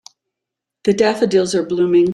The daffodils are blooming.